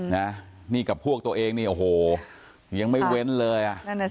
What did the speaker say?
นี่กับพวกตัวเองนี่โอ้โหยังไม่เว้นเลยอ่ะ